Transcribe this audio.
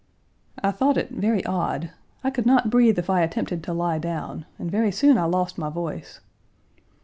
I thought it very odd. I could not breathe if I attempted to lie down, and very soon I lost my voice.